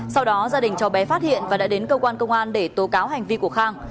sau đó gia đình cháu bé phát hiện và đã đến cơ quan công an để tố cáo hành vi của khang